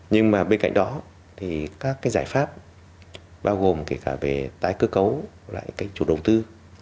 nhưng mà bên cạnh đó thì các cái giải pháp bao gồm kể cả về tái cơ cấu lại cái chủ đầu tư